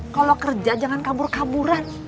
kalau kerja jangan kabur kaburan